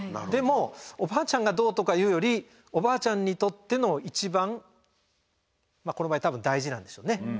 でもおばあちゃんがどうとかいうよりおばあちゃんにとっての一番この場合多分大事なんでしょうね。